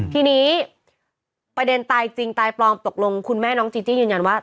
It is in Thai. ทีนี้ประเด็นตายจริงตายปลอมตกลงคุณแม่น้องจีจี้ยืนยันว่า